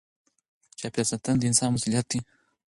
چاپېریال ساتنه د انسان مسؤلیت دی.